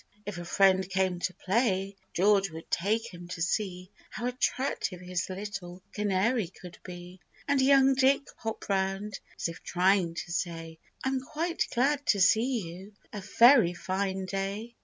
If a friend came to play, George would take him to see How attractive his little Canary could be ; And young Dick would hop round, as if trying to say, " I'm quite glad to see you !— A very fine day